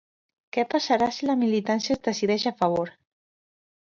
Què passarà si la militància es decideix a favor?